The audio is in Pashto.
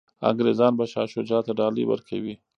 انګریزان به شاه شجاع ته ډالۍ ورکوي.